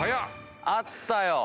あったよ。